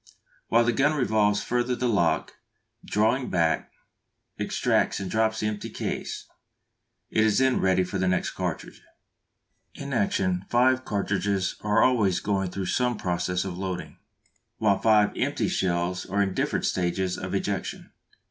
While the gun revolves further the lock, drawing back, extracts and drops the empty case; it is then ready for the next cartridge. In action five cartridges are always going through some process of loading, while five empty shells are in different stages of ejection.